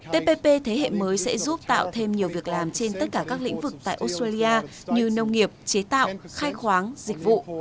tpp thế hệ mới sẽ giúp tạo thêm nhiều việc làm trên tất cả các lĩnh vực tại australia như nông nghiệp chế tạo khai khoáng dịch vụ